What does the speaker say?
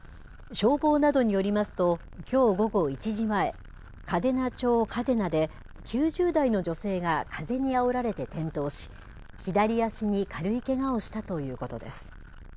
消防などによりますと、きょう午後１時前、嘉手納町嘉手納で、９０代の女性が風にあおられて転倒し、左足に軽いけがをしたということです。